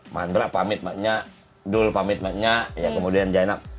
mandra pamit maknya dul pamit maknya ya kemudian jenab